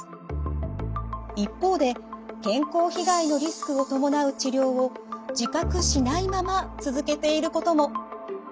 一方で健康被害のリスクを伴う治療を自覚しないまま続けていることも。